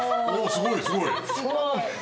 すごいすごい。